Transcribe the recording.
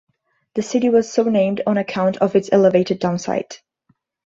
The city was so named on account of its elevated town site.